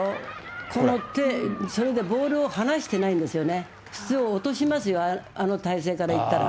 この手、ボールを離してないんですよね、普通普通、落としますよ、あの体勢から行ったら。